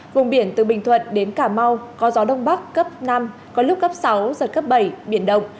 vùng biển từ bình thuận đến cà mau có gió đông bắc cấp năm có lúc cấp sáu giật cấp bảy biển động